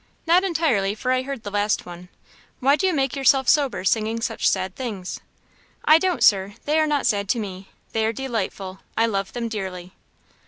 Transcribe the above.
"Not entirely, for I heard the last one. Why do you make yourself sober singing such sad things?" "I don't, Sir; they are not sad to me they are delightful, I love them dearly."